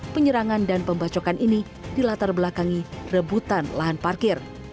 penyerangan dan pembacokan ini dilatar belakangi rebutan lahan parkir